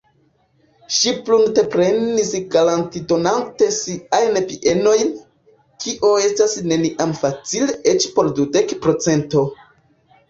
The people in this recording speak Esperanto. Ŝi prunteprenis garantidonante siajn bienojn, kio estas neniam facila eĉ por dudek pro cento.